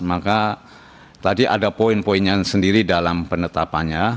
maka tadi ada poin poinnya sendiri dalam penetapannya